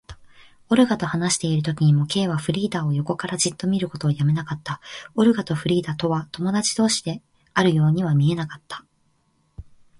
オルガと話しているときにも、Ｋ はフリーダを横からじっと見ることをやめなかった。オルガとフリーダとは友だち同士であるようには見えなかった。